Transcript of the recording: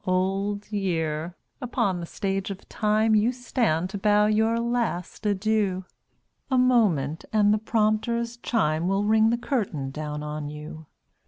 Old Year! upon the Stage of Time You stand to bow your last adieu; A moment, and the prompter's chime Will ring the curtain down on you.